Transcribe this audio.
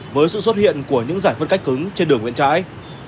với sự xuất hiện của những giải phân cách cứng trên đường nguyễn trãi